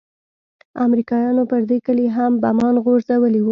امريکايانو پر دې کلي هم بمان غورځولي وو.